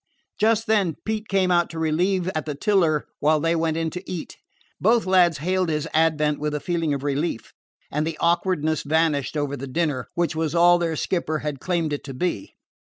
Just then Pete came out to relieve at the tiller while they went in to eat. Both lads hailed his advent with feelings of relief, and the awkwardness vanished over the dinner, which was all their skipper had claimed it to be.